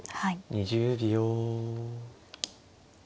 ２０秒。